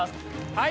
はい。